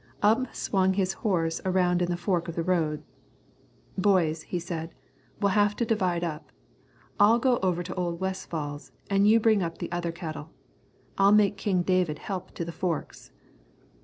Ump swung his horse around in the road at the forks. "Boys," he said, "we'll have to divide up. I'll go over to old Westfall's, an' you bring up the other cattle. I'll make King David help to the forks."